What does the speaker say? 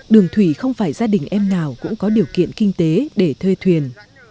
đường thủy không phải gia đình em nào cũng có điều kiện kinh tế để thuê thuyền